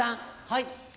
はい。